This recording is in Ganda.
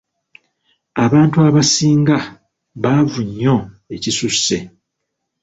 Abantu abasinga baavu nnyo ekisusse.